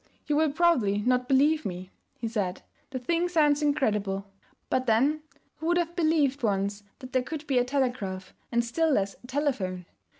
'You will probably not believe me,' he said; 'the thing sounds incredible; but then who would have believed once that there could be a telegraph, and still less a telephone?